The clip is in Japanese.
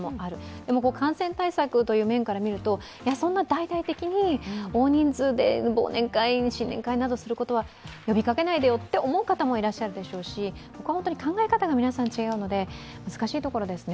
でも感染対策という面から見るとそんな大々的に大人数で忘年会、新年会をやることを呼びかけないでよって思う方もいらっしゃるでしょうしここは考え方が皆さん違うので難しいところですね。